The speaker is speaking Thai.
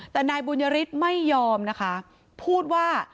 แต่นายบุญยฤทธิ์ไม่ยอมนะคะพูดว่า